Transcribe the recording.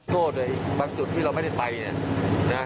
โทษเลยบางจุดที่เราไม่ได้ไปเนี่ยนะ